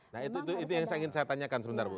nah itu yang saya ingin saya tanyakan sebentar bu